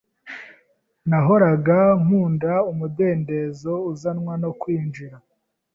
Nahoraga nkunda umudendezo uzanwa no kwinjira.